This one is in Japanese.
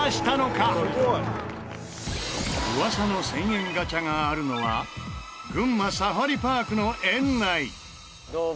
噂の１０００円ガチャがあるのは群馬サファリパークの園内。